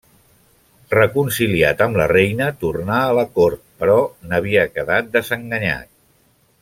Reconciliat amb la reina, tornà a la cort, però n'havia quedat desenganyat.